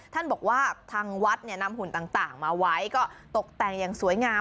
ท่านบอกว่าทางวัดเนี่ยนำหุ่นต่างมาไว้ก็ตกแต่งอย่างสวยงาม